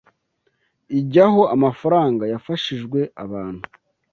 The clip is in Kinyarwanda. ijyaho amafaranga yafashishijwe abantu